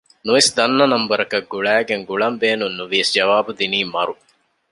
ނުވެސް ދަންނަ ނަންބަރަކަށް ގުޅައިން ގުޅަން ބޭނުން ނުވިޔަސް ޖަވާބު ދިނީ މަރު